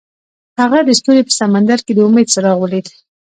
هغه د ستوري په سمندر کې د امید څراغ ولید.